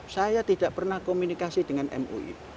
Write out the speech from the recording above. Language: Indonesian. saya tidak pernah komunikasi dengan mui